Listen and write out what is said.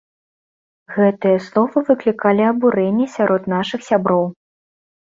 Гэтыя словы выклікалі абурэнне сярод нашых сяброў.